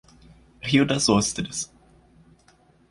Rio Das Ostras